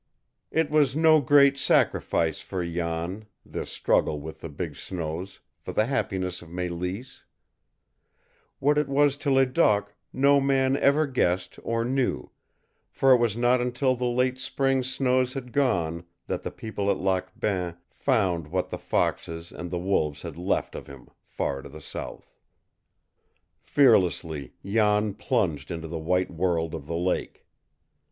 It was no great sacrifice for Jan, this struggle with the big snows for the happiness of Mélisse. What it was to Ledoq no man ever guessed or knew, for it was not until the late spring snows had gone that the people at Lac Bain found what the foxes and the wolves had left of him, far to the south. Fearlessly Jan plunged into the white world of the lake.